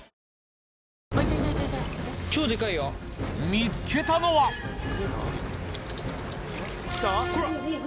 見つけたのは⁉ほら！